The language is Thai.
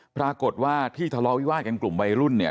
ปรากฏว่าที่ทะเลาะวิวาดกันกลุ่มวัยรุ่นเนี่ย